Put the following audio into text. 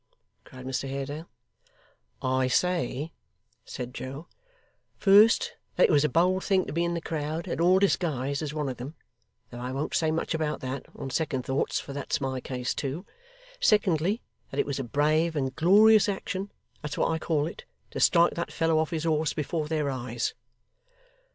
cried Mr Haredale. 'I say,' said Joe, 'first, that it was a bold thing to be in the crowd at all disguised as one of them; though I won't say much about that, on second thoughts, for that's my case too. Secondly, that it was a brave and glorious action that's what I call it to strike that fellow off his horse before their eyes!